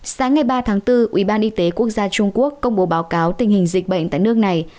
sáng ngày ba tháng bốn ubnd quốc gia trung quốc công bố báo cáo tình hình dịch bệnh tại nước này